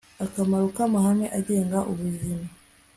akamaro k'amahame agenga ubuzima